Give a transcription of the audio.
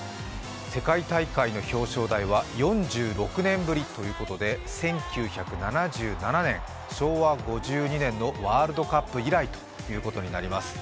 世界大会の表彰台は４６年ぶりということで１９７７年、昭和５５年のワールドカップ以来ということになります。